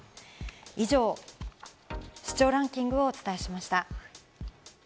以上、視聴ランキングをお伝えしました。